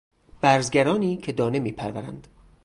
برزگرانی که دانه میپرورند...